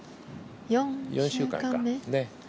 ４週間目。